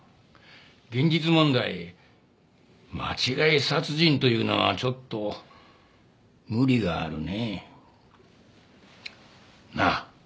現実問題間違い殺人というのはちょっと無理があるね。なあ？